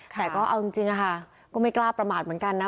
แต่ก็เอาจริงค่ะก็ไม่กล้าประมาทเหมือนกันนะ